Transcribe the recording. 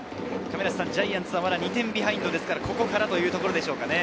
ジャイアンツは２点ビハインドですから、ここからということでしょうね。